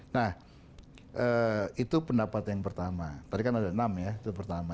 nah itu pendapat yang pertama tadi kan ada enam ya itu pertama